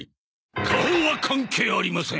顔は関係ありません！